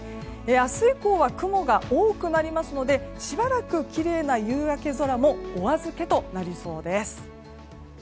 明日以降は雲が多くなりますのでしばらくきれいな夕焼け空もお預けとなりそうです。